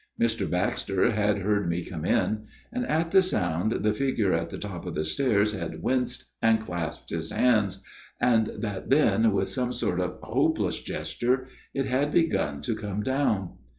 Mr. Baxter had heard me come in, and at the sound the figure at the top of the stairs had winced and clasped its hands, and that then, with some sort of hopeless gesture, it had begun to come down.